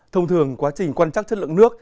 thông thường quá trình quan trắc chất lượng nước